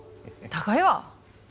高いわ！